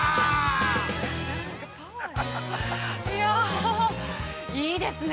◆いや、いいですね。